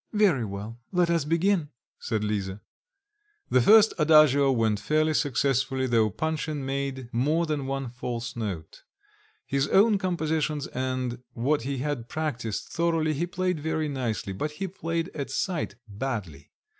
"Very well, let us begin," said Lisa. The first adagio went fairly successfully though Panshin made more than one false note. His own compositions and what he had practised thoroughly he played very nicely, but he played at sight badly.